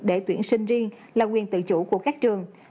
để tuyển sinh riêng là quyền tự chủ của các trường